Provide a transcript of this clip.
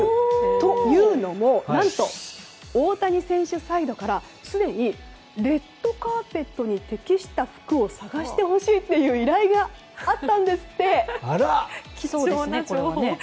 というのも、何と大谷選手サイドからすでにレッドカーペットに適した服を探してほしいという貴重な情報源。